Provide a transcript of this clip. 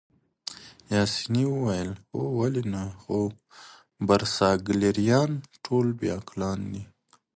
پاسیني وویل: هو ولې نه، خو برساګلیریايان ټول بې عقلان دي.